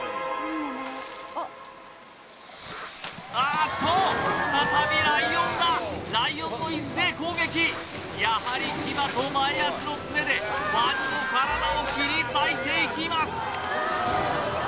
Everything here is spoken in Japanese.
あーっと再びライオンだライオンの一斉攻撃やはり牙と前脚の爪でワニの体を切り裂いていきます